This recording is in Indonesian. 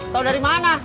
tau dari mana